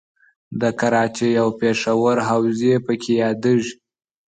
د کراچۍ او پېښور حوزې پکې یادیږي.